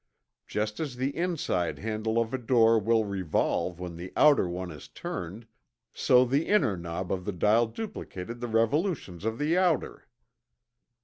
Just as the inside handle of a door will revolve when the outer one is turned, so the inner knob of the dial duplicated the revolutions of the outer.